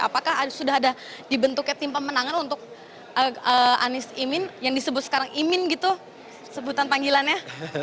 apakah sudah ada dibentuknya tim pemenangan untuk anies imin yang disebut sekarang imin gitu sebutan panggilannya